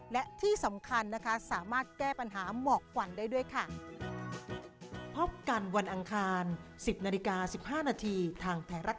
และที่สำคัญนะคะสามารถแก้ปัญหาหมอกควันได้ด้วยค่ะ